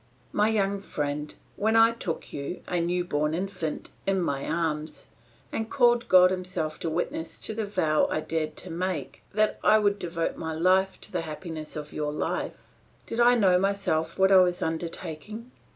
My young friend, when I took you, a new born infant, in my arms, and called God himself to witness to the vow I dared to make that I would devote my life to the happiness of your life, did I know myself what I was undertaking?